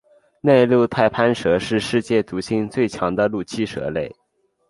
内陆太攀蛇是世界毒性最强的陆栖蛇类。